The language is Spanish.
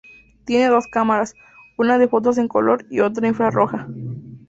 Tiene dos cámaras: una de fotos en color y otra infrarroja.